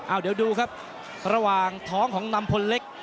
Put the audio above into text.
เดี๋ยวดูครับระหว่างท้องของนำพลเล็ก